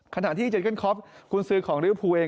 ขณะที่เจนเกิ้ลคอปคุณศึกของลิเวอร์พูลเอง